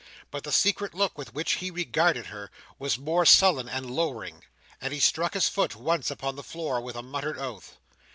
But the secret look with which he regarded her, was more sullen and lowering, and he struck his foot once upon the floor with a muttered oath.